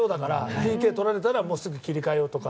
ＰＫとられたらもう切り替えようとか。